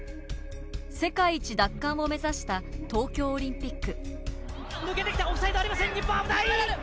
世界一位奪還を目指した東京オリンピック。